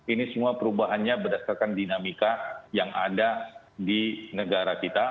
ini semua perubahannya berdasarkan dinamika yang ada di negara kita